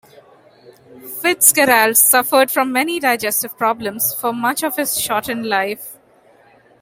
FitzGerald suffered from many digestive problems for much of his shortened life.